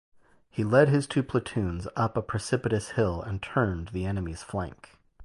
He led his two platoons up a precipitous hill and turned the enemy's flank.